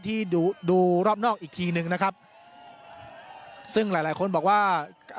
ที่ดูดูรอบนอกอีกทีหนึ่งนะครับซึ่งหลายหลายคนบอกว่า